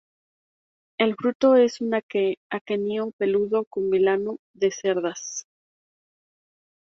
El fruto es un aquenio peludo con vilano de cerdas.